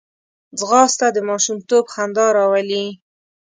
ځغاسته د ماشومتوب خندا راولي